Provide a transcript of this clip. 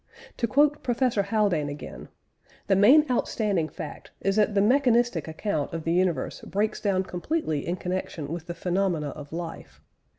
To quote Professor Haldane again, "The main outstanding fact is that the mechanistic account of the universe breaks down completely in connection with the phenomena of life....